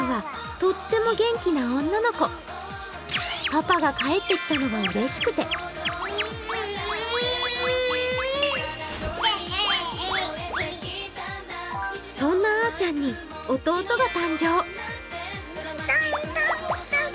パパが帰ってきたのがうれしくてそんなあーちゃんに弟が誕生。